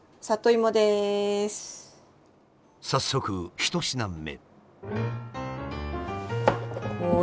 早速１品目。